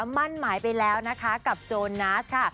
มั่นหมายไปแล้วนะคะกับโจนัสค่ะ